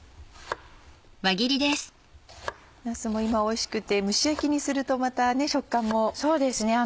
なすも今おいしくて蒸し焼きにするとまた食感もいいですよね。